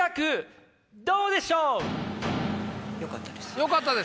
よかったです。